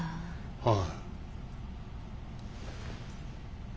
ああ。